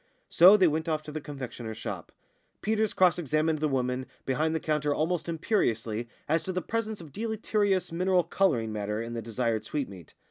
So they went off to the confectioner's shop. Peters cross examined the woman behind the counter almost imperiously as to the presence of deleterious mineral colouring matter in the desired sweetmeat.